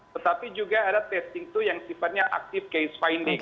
tetapi juga ada testing to yang sifatnya active case finding